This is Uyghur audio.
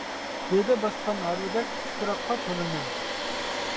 بېدە باسقان ھارۋىدەك خۇش پۇراققا تولىمەن.